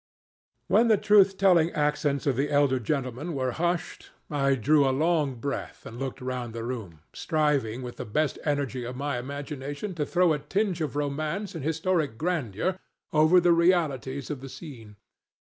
When the truth telling accents of the elderly gentleman were hushed, I drew a long breath and looked round the room, striving with the best energy of my imagination to throw a tinge of romance and historic grandeur over the realities of the scene.